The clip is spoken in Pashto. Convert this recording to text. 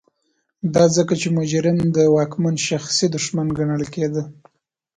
دا ځکه چې مجرم د واکمن شخصي دښمن ګڼل کېده.